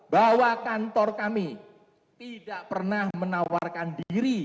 tiga puluh dua bahwa kantor kami tidak pernah menawarkan diri